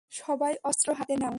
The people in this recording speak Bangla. সবাই অস্ত্র হাতে নেও।